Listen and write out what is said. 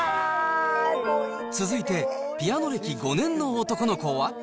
続いて、ピアノ歴５年の男の子は。